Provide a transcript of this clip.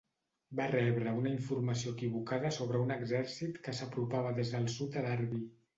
Va rebre una informació equivocada sobre un exèrcit que s'apropava des del sud de Derby.